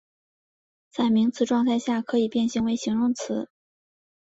在名词状态下可以变形为形容词。